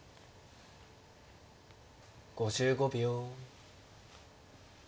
５５秒。